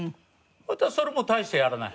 そしたらそれも大してやらない。